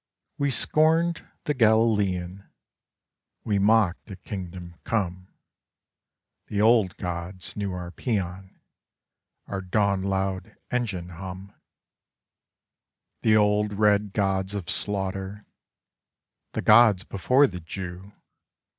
_ We scorned the Galilean, We mocked at Kingdom Come: The old gods knew our pæan Our dawn loud engine hum: The old red gods of slaughter, The gods before the Jew!